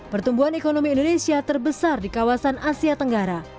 pertumbuhan ekonomi indonesia terbesar di kawasan asia tenggara